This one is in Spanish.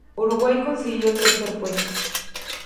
Uruguay consiguió el tercer puesto.